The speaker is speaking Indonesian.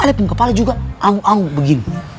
alen pung kepala juga angk angk begin